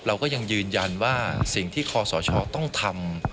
เราก็ยังยืนยันว่าสิ่งที่คอสชต้องทำ